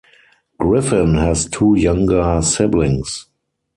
Griffin has two younger siblings.